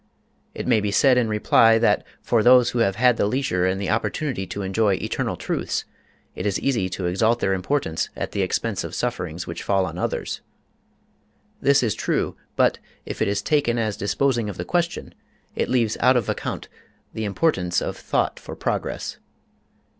It may be said in reply that for those who have had the leisure and the opportunity to enjoy ``eternal truths'' it is easy to exalt their importance at the expense of sufferings which fall on others. This is true; but, if it is taken as disposing of the question, it leaves out of account the importance of thought for progress.